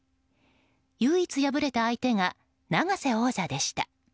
唯一敗れた相手が永瀬王座でした。